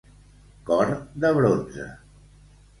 Cor de bronze.